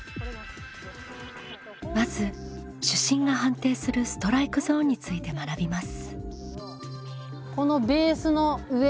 まず主審が判定するストライクゾーンについて学びます。